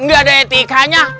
gak ada etikanya